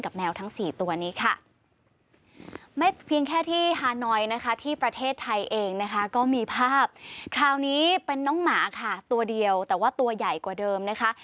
แมวทั้งสี่ตัวนี้ค่ะไม่เพียงแค่ที่ฮานอยนะคะที่ประเทศไทยเองนะคะก็มีภาพคราวนี้เป็นน้องหมาค่ะตัวเดียวแต่ว่าตัวใหญ่กว่าเดิมนะคะ